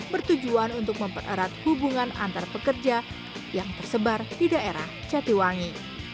bertujuan untuk mempererat hubungan antar pekerja yang tersebar di daerah jatiwangi